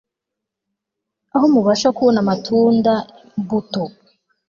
Aho mubasha kubona amatunda mbuto